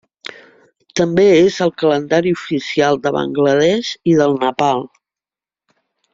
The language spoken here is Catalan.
També és el calendari oficial de Bangla Desh i del Nepal.